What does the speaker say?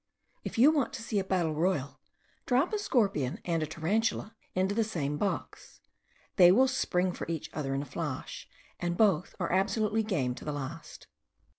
If you want to see a battle royal, drop a scorpion and a tarantula into the same box. They will spring for each other in a flash, and both are absolutely game to the last.